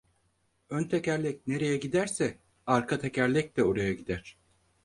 Ön tekerlek nereye giderse arka tekerlek de oraya gider.